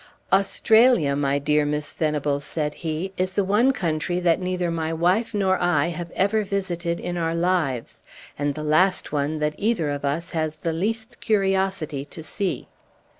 "Australia, my dear Miss Venables," said he, "is the one country that neither my wife nor I have ever visited in our lives, and the last one that either of us has the least curiosity to see."